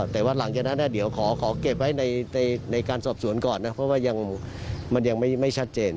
แต่ว่าหลังจากนั้นเดี๋ยวขอเก็บไว้ในการสอบสวนก่อนนะเพราะว่ามันยังไม่ชัดเจน